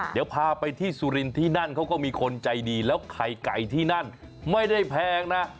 เดี๋ยวพาไปที่สุรินทร์ที่นั่นเขาก็มีคนใจดีแล้วไข่ไก่ที่นั่นไม่ได้แพงนะ